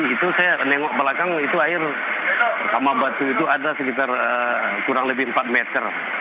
itu saya nengok belakang itu air sama batu itu ada sekitar kurang lebih empat meter